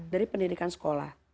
dari pendidikan sekolah